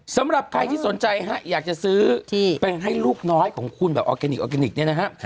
สำหรับใครที่สนใจอยากจะซื้อเป็นให้ลูกน้อยของคุณแบบออร์แกนิกนี่นะครับ